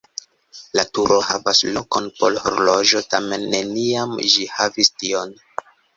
La turo havas lokon por horloĝo, tamen neniam ĝi havis tion.